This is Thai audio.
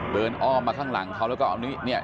อ้อมมาข้างหลังเขาแล้วก็เอานี้เนี่ย